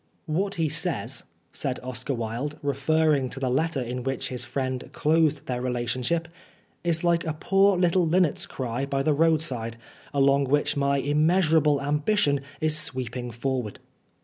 "What he says," said Oscar Wilde, referring to the letter in which his friend closed their relationship, " is like a poor little linnet's cry by the roadside, along which my immeasurable ambition is sweep ing forward."